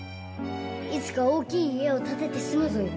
いつか大きい家を建てて住むぞよ。